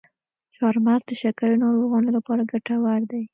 چارمغز د شکرې ناروغانو لپاره ګټور دی.